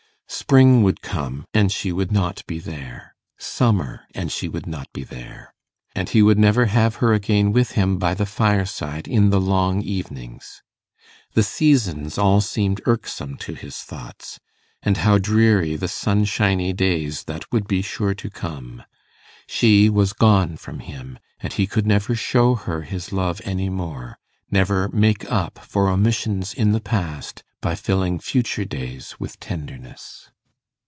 Spring would come, and she would not be there; summer, and she would not be there; and he would never have her again with him by the fireside in the long evenings. The seasons all seemed irksome to his thoughts; and how dreary the sunshiny days that would be sure to come! She was gone from him; and he could never show her his love any more, never make up for omissions in the past by filling future days with tenderness.